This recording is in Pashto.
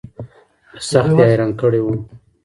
سخت يې حيران کړى وم.